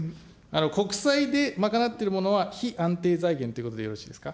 国債で賄ってるものは非安定財源ということでよろしいですか。